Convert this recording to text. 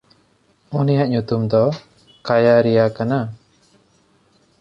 ᱩᱱᱤᱭᱟᱜ ᱧᱩᱛᱩᱢ ᱫᱚ ᱠᱮᱭᱟᱨᱮᱭᱟ ᱠᱟᱱᱟ᱾